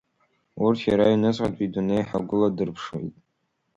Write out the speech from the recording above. Урҭ иара иҩнуҵҟатәи идунеи ҳагәыладырԥшуеит.